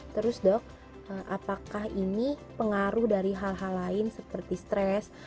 terus dok apakah ini pengaruh dari hal hal lain seperti stres